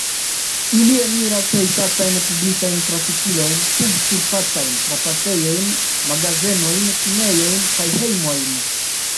Ili eniras hejtatajn publikajn trafikilojn, subsurfacajn trapasejojn, magazenojn, kinejojn kaj hejmojn.